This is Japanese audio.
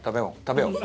食べよう！